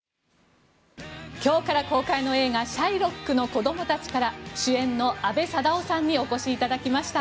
今日から公開の映画「シャイロックの子供たち」から主演の阿部サダヲさんにお越しいただきました。